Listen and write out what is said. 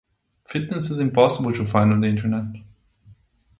Fitness is impossible to find on the internet.